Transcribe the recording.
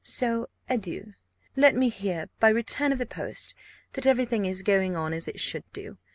So adieu! Let me hear, by return of the post, that every thing is going on as it should do.